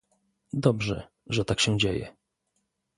Dobrze, że tak się dzieje